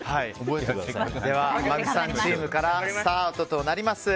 濱口さんチームからスタートとなります。